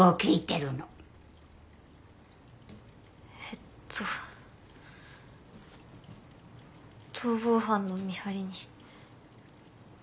えっと逃亡犯の見張りに。